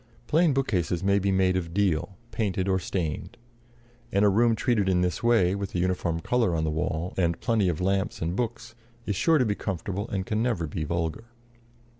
Plain bookcases may be made of deal, painted or stained; and a room treated in this way, with a uniform color on the wall, and plenty of lamps and books, is sure to be comfortable and can never be vulgar.